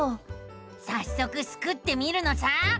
さっそくスクってみるのさ！